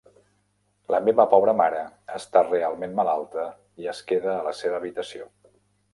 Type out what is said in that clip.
La meva pobra mare està realment malalta i es queda a la seva habitació.